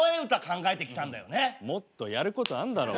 もっとやることあんだろ。